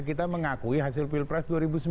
kita mengakui hasil pilpres dua ribu sembilan belas